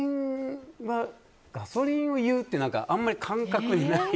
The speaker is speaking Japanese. ガソリンを言うってあんまり感覚にない。